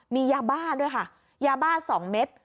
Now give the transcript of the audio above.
มียาบ้าด้วยค่ะยาบ้า๒เม็ด